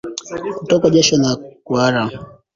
Kutokwa jasho na kuhara